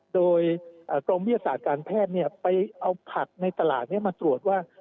โดยกรมวิทยาศาสตร์การแพทย์ไปเอาผักในตลาดนี้มาตรวจว่า